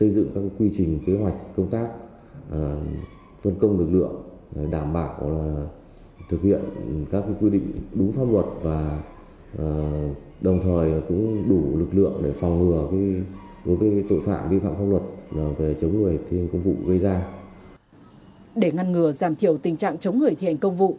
để ngăn ngừa giảm thiểu tình trạng chống người thi hành công vụ